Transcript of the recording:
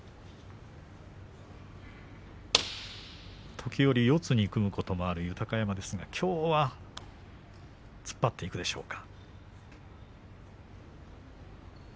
時折四つに組むことがある豊山ですが、きょうは突っ張っていくでしょうか。